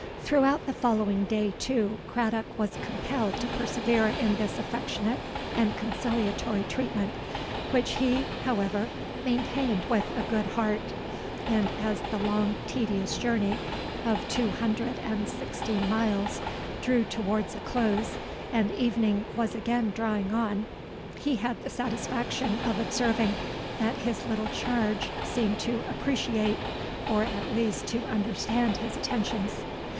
Throughout the following day, too, Craddock was compelled to persevere in this affectionate and conciliatory treatment, which he, however, maintained with a good heart; and as the long, tedious journey of two hundred and sixteen miles drew towards a close, and evening was again drawing on, he had the satisfaction of observing that his little charge seemed to appreciate—or at least to understand his attentions.